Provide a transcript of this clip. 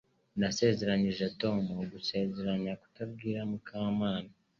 Nasezeranije Tom gusezeranya kutabwira Mukamana